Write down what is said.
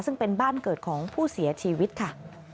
ซึ่งเป็นบ้านเกิดของผู้เสียชีวิตค่ะ